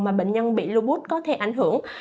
mà bệnh nhân bị lupus có thể ảnh hưởng